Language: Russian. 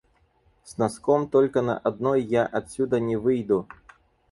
С носком только на одной я отсюда не выйду!